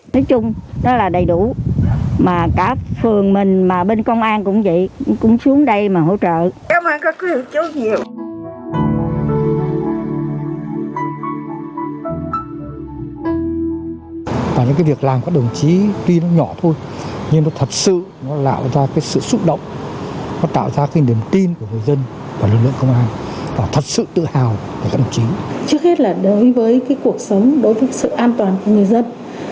trước hết là đối với cái cuộc sống đối với sự an toàn của người dân